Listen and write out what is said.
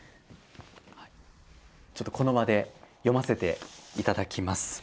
ちょっとこの場で読ませていただきます。